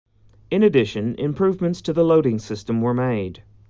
In addition, improvements to the loading system were made.